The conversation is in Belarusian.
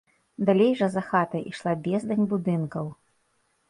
Далей жа, за хатай, ішла бездань будынкаў.